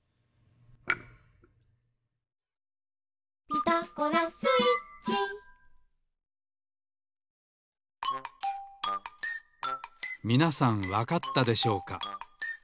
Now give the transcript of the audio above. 「ピタゴラスイッチ」みなさんわかったでしょうか。